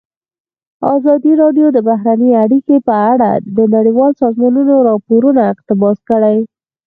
ازادي راډیو د بهرنۍ اړیکې په اړه د نړیوالو سازمانونو راپورونه اقتباس کړي.